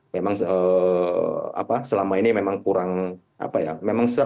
memang selama ini memang kurang